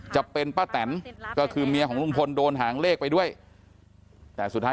จะเป็นป้าแตนก็คือเมียของลุงพลโดนหางเลขไปด้วยแต่สุดท้าย